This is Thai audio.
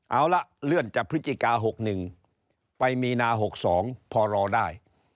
เอาละเลื่อนจากพฤศจิกา๖๑ไปมีนา๖๒พอรอได้